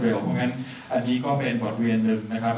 เพราะฉะนั้นอันนี้ก็เป็นบทเรียนหนึ่งนะครับ